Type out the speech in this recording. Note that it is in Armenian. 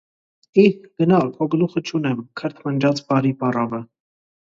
- Ի՛հ, գնա, քո գլուխը չունեմ,- քրթմնջաց բարի պառավը: